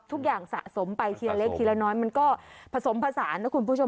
สะสมไปทีละเล็กทีละน้อยมันก็ผสมผสานนะคุณผู้ชม